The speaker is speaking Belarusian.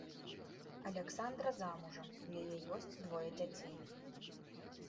Аляксандра замужам, у яе ёсць двое дзяцей.